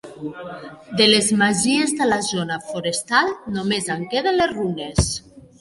De les masies de la zona forestal només en queden les runes.